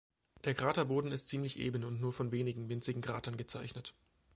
Der Kraterboden ist ziemlich eben und nur von wenigen, winzigen Kratern gezeichnet.